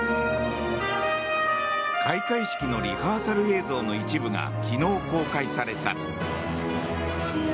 開会式のリハーサル映像の一部が昨日、公開された。